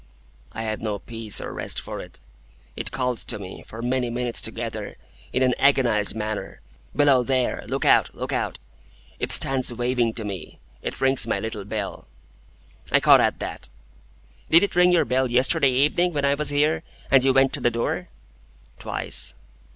"I have no peace or rest for it. It calls to me, for many minutes together, in an agonised manner, 'Below there! Look out! Look out!' It stands waving to me. It rings my little bell—" I caught at that. "Did it ring your bell yesterday evening when I was here, and you went to the door?" "Twice."